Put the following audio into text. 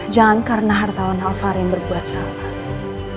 jangan karena hartawan alvar yang berbuat salah